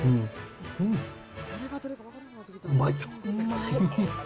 うまい。